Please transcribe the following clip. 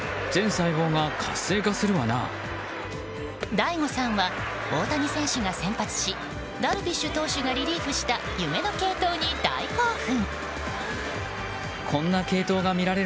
ＤＡＩＧＯさんは大谷選手が先発しダルビッシュ投手がリリーフした夢の継投に大興奮。